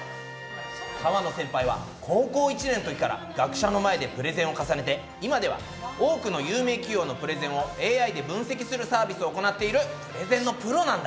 河野先輩は高校１年のときから学者の前でプレゼンを重ねて今では多くの有名企業のプレゼンをＡＩで分析するサービスを行っているプレゼンのプロなんだ！